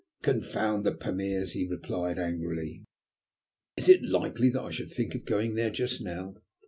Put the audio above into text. "Confound the Pamirs!" he replied angrily. "Is it likely that I should think of going there just now?